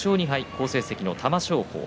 好成績の玉正鳳